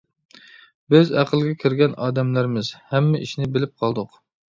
بىز ئەقىلگە كىرگەن ئادەملەرمىز، ھەممە ئىشنى بىلىپ قالدۇق.